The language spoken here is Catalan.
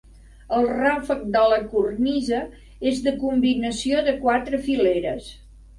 El ràfec de la cornisa és de combinació de quatre fileres.